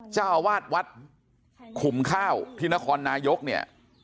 เจ้าอาวาสวัดขุมข้าวที่นครนายกเนี่ย